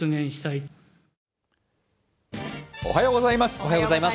おはようございます。